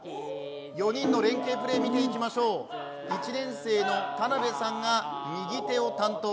４人の連係プレー見ていきましょう１年生の田辺さんが右手を担当。